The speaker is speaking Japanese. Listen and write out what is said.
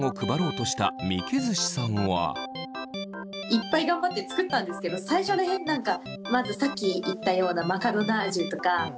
いっぱい頑張って作ったんですけど最初ら辺何かまずさっき言ったようなあなるほどね。